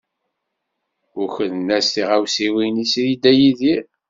Ukren-as tiɣawsiwin-is i Dda Yidir.